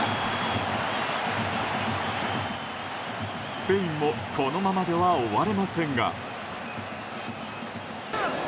スペインもこのままでは終われませんが。